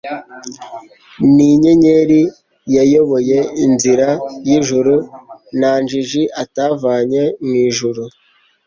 Ni inyenyeri yayoboye inzira y' ljuru, Nta njiji atavanye mu ijuri